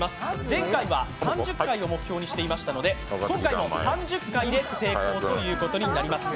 前回は３０回を目標にしていましたので、今回も３０回で成功ということになります。